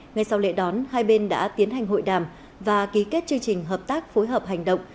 ngay sau lễ đón hai bên đã tiến hành hội đàm và ký kết chương trình hợp tác phối hợp hành động